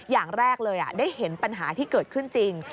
อย่างแรกเลยได้เห็นปัญหาที่เกิดขึ้นจริง